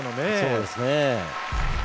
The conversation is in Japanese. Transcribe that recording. そうですね。